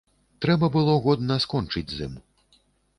Трэба было годна скончыць з ім.